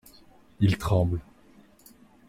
Il tremble.